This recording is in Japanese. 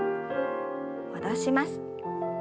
戻します。